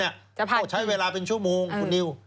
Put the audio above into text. ก็ใช้เวลาเป็นชั่วโมงคุณนิว